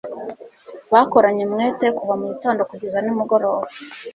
Bakoranye umwete kuva mugitondo kugeza nimugoroba.